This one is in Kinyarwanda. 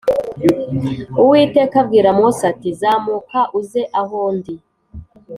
Uwiteka abwira Mose ati Zamuka uze aho ndi